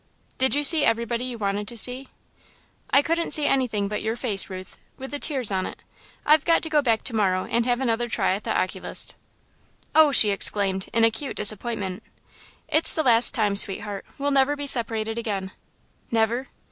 "Did you see everybody you wanted to see?" "I couldn't see anything but your face, Ruth, with the tears on it. I've got to go back to morrow and have another try at the oculist." "Oh!" she exclaimed, in acute disappointment. "It's the last time, sweetheart; we'll never be separated again." "Never?"